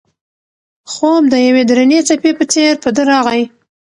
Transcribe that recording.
خوب د یوې درنې څپې په څېر په ده راغی.